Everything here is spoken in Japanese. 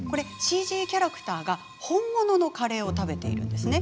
ＣＧキャラクターが本物のカレーを食べているんですね。